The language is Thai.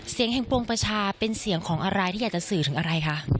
เสียงแห่งปวงประชาเป็นเสียงของอะไรที่อยากจะสื่อถึงอะไรคะ